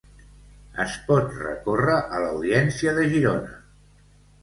Es pot recórrer a l'Audiència de Girona.